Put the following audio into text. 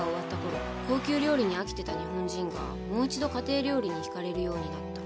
高級料理に飽きてた日本人がもう一度家庭料理に惹かれるようになった。